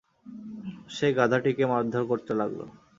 সে গাধাটিকে মারধর করতে লাগল।